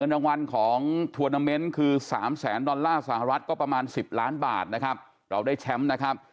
เงินรางวัลของทวอร์นาเมนต์คือ๓แสนดอลลาร์สหรัฐก็ประมาณ๑๐ล้านบาทเราได้แชมป์